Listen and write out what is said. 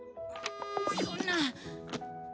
そんな。